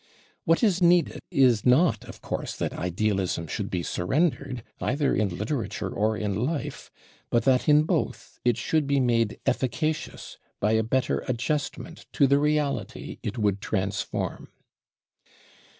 What is needed is not, of course, that idealism should be surrendered, either in literature or in life; but that in both it should be made efficacious by a better adjustment to the reality it would transform.